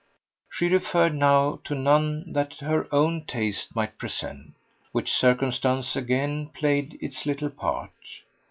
She referred now to none that her own taste might present; which circumstance again played its little part.